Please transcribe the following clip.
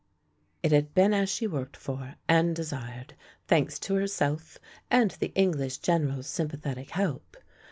It had been as she worked for and desired, thanks to herself and the English General's sympathetic help.